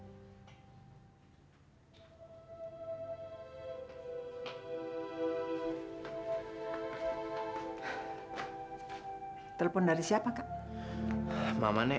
hai telepon dari siapa kak mama nek